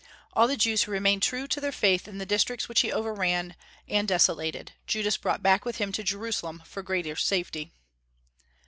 All the Jews who remained true to their faith in the districts which he overran and desolated, Judas brought back with him to Jerusalem for greater safety.